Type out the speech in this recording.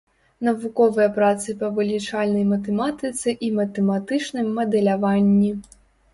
Навуковыя працы па вылічальнай матэматыцы і матэматычным мадэляванні.